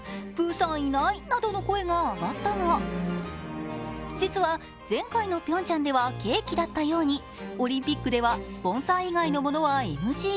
プーさんいない、などの声が上がったが、実は前回のピョンチャンではケーキだったようにオリンピックではスポンサー以外のものはＮＧ。